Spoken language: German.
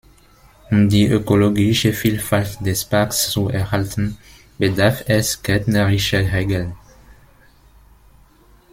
Um die ökologische Vielfalt des Parks zu erhalten, bedarf es gärtnerischer Regeln.